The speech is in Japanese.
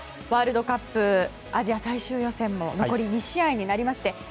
ワールドカップアジア最終予選も残り２試合になりまして